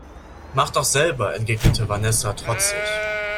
Mach doch selber, entgegnete Vanessa trotzig.